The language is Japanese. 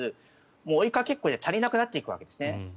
追いかけっこで足りなくなっていくわけですね。